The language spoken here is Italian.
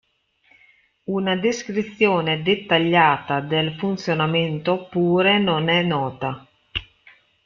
Una descrizione dettagliata del funzionamento pure non è nota.